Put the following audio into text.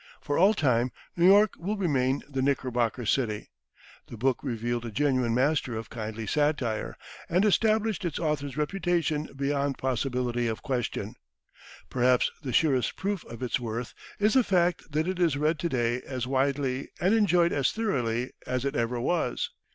For all time, New York will remain the Knickerbocker City. The book revealed a genuine master of kindly satire, and established its author's reputation beyond possibility of question. Perhaps the surest proof of its worth is the fact that it is read to day as widely and enjoyed as thoroughly as it ever was.